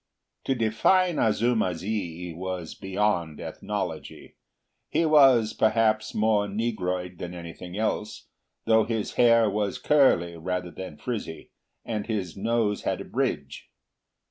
To define Azuma zi was beyond ethnology. He was, perhaps, more negroid than anything else, though his hair was curly rather than frizzy, and his nose had a bridge.